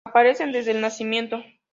Aparecen desde el nacimiento.